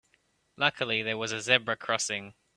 Luckily there was a zebra crossing.